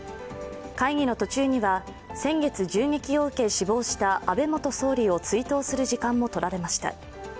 会議の途中には先月銃撃を受け死亡した安倍元総理を追悼する時間もとられました。